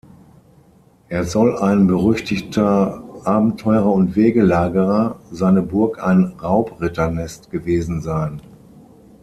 Er soll ein berüchtigter Abenteurer und Wegelagerer, seine Burg ein Raubritternest gewesen sein.